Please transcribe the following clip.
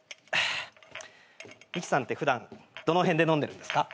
ミキさんって普段どの辺で飲んでるんですか？